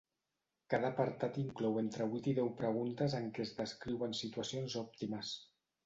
Cada apartat inclou entre vuit i deu preguntes en què es descriuen situacions òptimes.